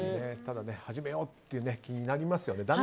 ただ、始めようという気になりますよね。